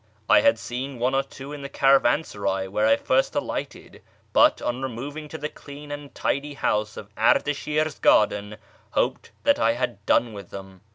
I had seen one or two in the caravansaray where I first alighted, but, on removing to the clean and tidy little house in Ardashir's garden, hoped that I had done with them.